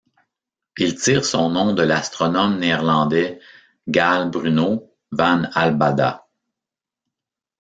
Il tire son nom de l'astronome néerlandais Gale Bruno van Albada.